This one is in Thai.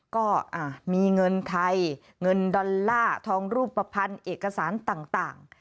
ก็มีเงินไทยเงินดอลลาร์ทองรูปภัณฑ์เอกสารต่าง